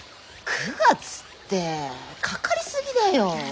９月ってかかりすぎだよ！